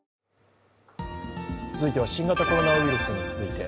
続いては新型コロナウイルスについて。